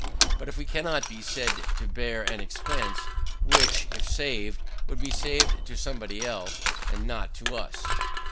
But we cannot be said to bear an expense, which, if saved, would be saved to somebody else, and not to us.